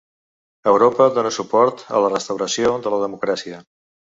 Europa dóna suport a la restauració de la democràcia.